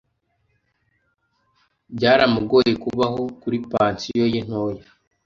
Byaramugoye kubaho kuri pansiyo ye nto.